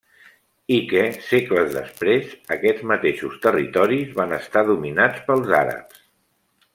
I que, segles després, aquests mateixos territoris van estar dominats pels àrabs.